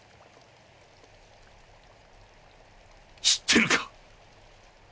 知ってるか？